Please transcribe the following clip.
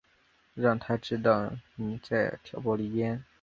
让他知道妳在挑拨离间